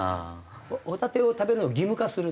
ホタテを食べるのを義務化する。